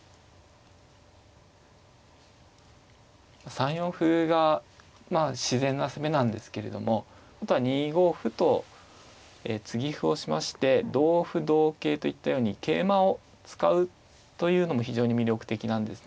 ３四歩がまあ自然な攻めなんですけれどもあとは２五歩と継ぎ歩をしまして同歩同桂といったように桂馬を使うというのも非常に魅力的なんですね。